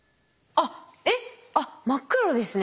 あっ真っ黒ですね。